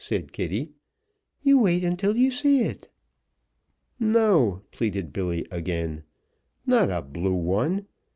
said Kitty. "You wait until you see it." "No!" pleaded Billy again. "Not a blue one!